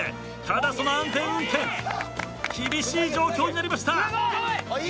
ただその安全運転厳しい状況になりました。